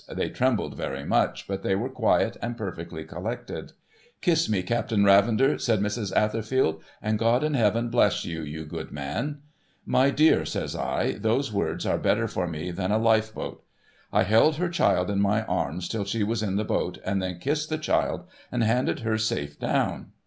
They trembled very much, but they were quiet and perfectly collected. ' Kiss me, Captain Ravender,' says Mrs. Atherfield, 'and God in heaven bless you, you good man !'' My dear,' says I, ' those words are better for me than a life boat.' I held her child in my arms till she was in the boat, and then kissed the child and handed her safe down.